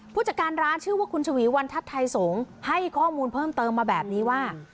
ผู้จัดการร้านชื่อว่าคุณชวีวันทัศน์ไทยสงฆ์ให้ข้อมูลเพิ่มเติมมาแบบนี้ว่า